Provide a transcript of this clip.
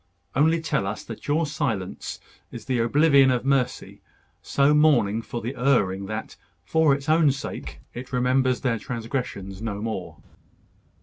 Only tell us that your silence is the oblivion of mercy, so mourning for the erring that, for its own sake, it remembers their transgressions no more."